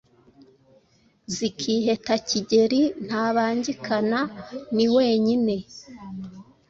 Zikiheta Kigeli Ntabangikana, ni wenyine.